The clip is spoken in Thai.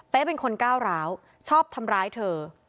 เป็นคนก้าวร้าวชอบทำร้ายเธอ